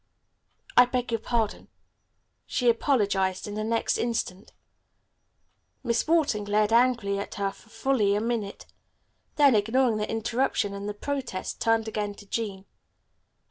"I beg your pardon," she apologized in the next instant. Miss Wharton glared angrily at her for fully a minute. Then, ignoring the interruption and the protest, turned again to Jean.